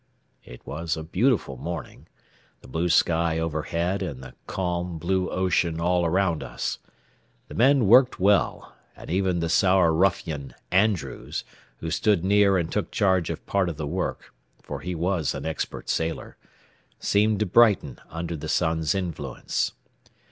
It was a beautiful morning, the blue sky overhead and the calm, blue ocean all around us. The men worked well, and even the sour ruffian, Andrews, who stood near and took charge of part of the work, for he was an expert sailor, seemed to brighten under the sun's influence.